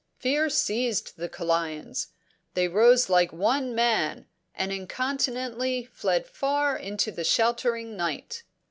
Fear seized the Kalayans; they rose like one man, and incontinently fled far into the sheltering night!